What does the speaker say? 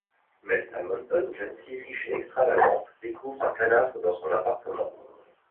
Melsa Manton, jeune fille riche et extravagante, découvre un cadavre dans son appartement.